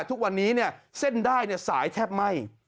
ทุกวันนี้เส้นได้สายแทบไหม้